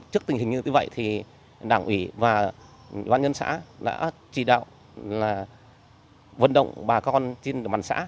trước tình hình như vậy đảng ủy và doanh nhân xã đã chỉ đạo vận động bà con trên bàn xã